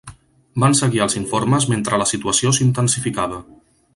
Van seguir els informes mentre la situació s'intensificava.